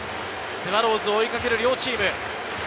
スワローズを追いかける両チーム。